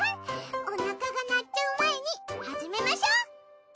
おなかが鳴っちゃう前に始めましょ。